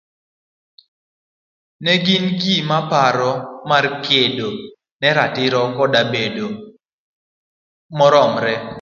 ne gin gi paro mar kedo ne ratiro koda bedo maromre